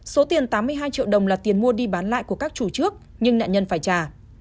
số tiền tám mươi hai triệu đồng là tiền mua đi bán lại của các chủ trước nhưng nạn nhân phải trả